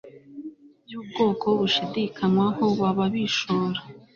byubwoko bushidikanywaho baba bishora